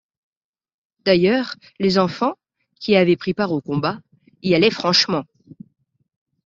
D’ailleurs, les enfants, qui avaient pris part au combat, y allaient franchement.